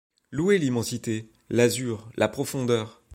Louer l'immensité, l'azur, la profondeur !